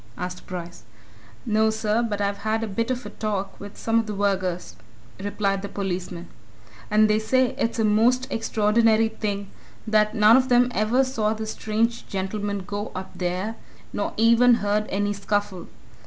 asked Bryce. "No, sir. But I've had a bit of a talk with some of the vergers," replied the policeman, "and they say it's a most extraordinary thing that none of them ever saw this strange gentleman go up there, nor even heard any scuffle.